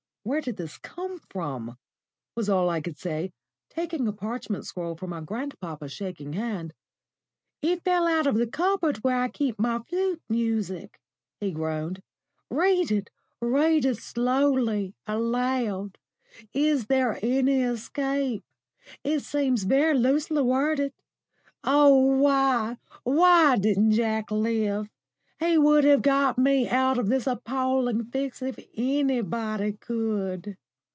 _" "Where did this come from?" was all I could say, taking a parchment scroll from my grandpapa's shaking hand. "It fell out of the cupboard where I keep my flute music," he groaned. "Read it, read it slowly, aloud. Is there any escape? It seems very loosely worded. Oh why, why didn't Jack live? He would have got me out of this appalling fix if anybody could."